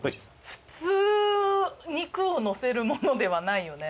普通肉をのせる物ではないよね？